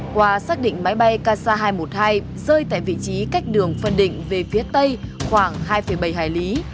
qua xác định máy bay kc hai trăm một mươi hai rơi tại vị trí cách đường phân định về phía tây khoảng hai bảy hải lý